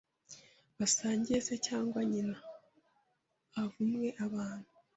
basangiye se cyangwa nyina avumwe Abantu